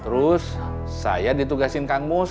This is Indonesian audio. terus saya ditugasin kang mus